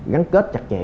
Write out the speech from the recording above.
gắn kết chặt chẽ